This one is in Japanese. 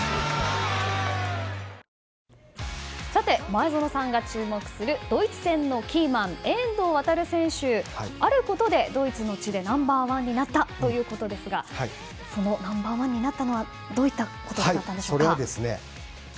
前園さんが注目するドイツ戦のキーマン遠藤航選手、あることでドイツの地でナンバー１になったということですがそのナンバー１になったのはどういったことだったんでしょう。